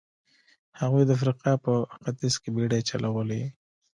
هغوی د افریقا په ختیځ کې بېړۍ چلولې.